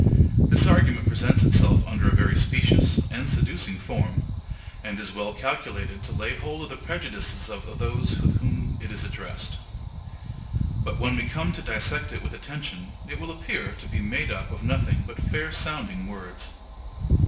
This argument presents itself under a very specious and seducing form; and is well calculated to lay hold of the prejudices of those to whom it is addressed. But when we come to dissect it with attention, it will appear to be made up of nothing but fair sounding words.